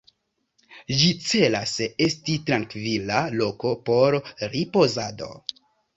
Ĝi celas esti trankvila loko por ripozado.